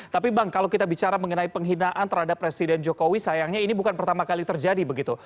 tapi bang kalau kita bicara mengenai penghinaan terhadap presiden jokowi sayangnya ini bukan pertama kali terjadi begitu